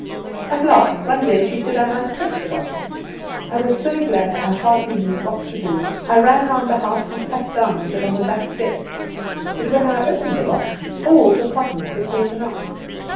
At last one day she said I might take the box. I was so glad I hardly knew what to do. I ran round the house, and sat down with it on the back steps. But when I opened the box all the cottons were taken out."